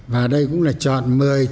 và đây cũng là chọn một mươi